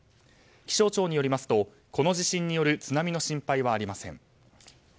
気象庁によりますとこの地震による津波の心配はありません。